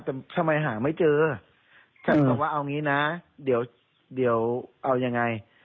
แต่ทำไมหาไม่เจอฉันบอกว่าเอางี้นะเดี๋ยวเอายังไง